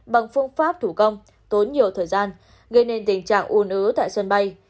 bằng phương pháp thủ công tốn nhiều thời gian gây nên tình trạng u nứ tại sân bay